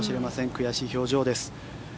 悔しい表情です。